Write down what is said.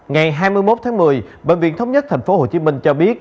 ngày hai mươi một tháng một mươi bệnh viện thống nhất thành phố hồ chí minh cho biết